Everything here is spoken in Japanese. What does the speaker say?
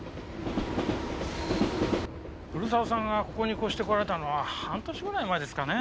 古沢さんがここに越してこられたのは半年ぐらい前ですかね。